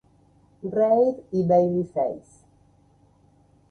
Reid y Babyface.